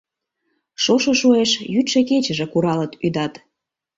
Шошо шуэш, йӱдшӧ-кечыже куралыт, ӱдат.